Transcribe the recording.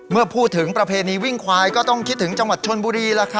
เมื่อพูดถึงประเพณีวิ่งควายก็ต้องคิดถึงจังหวัดชนบุรี